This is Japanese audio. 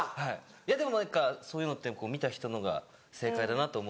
いやでも何かそういうのって見た人の方が正解だなと思うので。